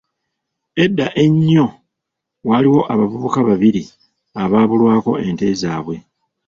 Edda ennyo, waaliwo abavubuka babiri abaabulwako ente zaabwe.